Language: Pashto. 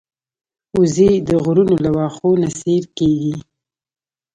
وزې د غرونو له واښو نه سیر کېږي